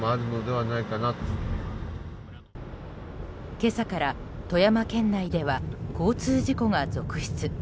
今朝から富山県内では交通事故が続出。